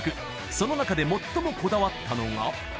その中で最もこだわったのが？